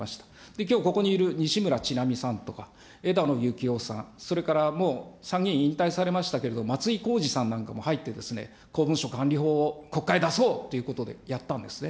きょう、ここにいる西村ちなみさんとか、枝野幸男さん、それから、もう参議院引退されましたけれども、まついこうじさんなんかも入って、公文書管理法を国会に出そうということで、やったんですね。